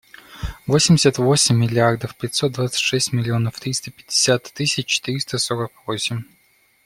Восемьдесят восемь миллиардов пятьсот двадцать шесть миллионов триста пятьдесят тысяч четыреста сорок восемь.